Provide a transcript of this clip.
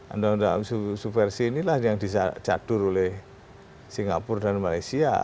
undang undang subversi inilah yang dicatur oleh singapura dan malaysia